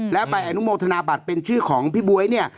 แล้วไปอนุโมทนาบัตรเป็นชื่อของพี่บ๊วยเนี่ย